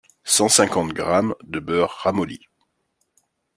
cent cinquante grammes de beurre ramolli